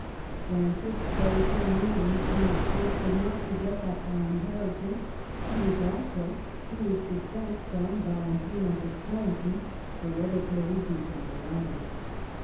Francis, though so newly King of France, did not forget that by inheritance he was also, through his descent from Valentina Visconti, hereditary Duke of Milan.